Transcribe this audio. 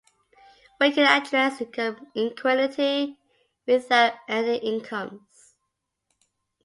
We can address income inequality without ending incomes.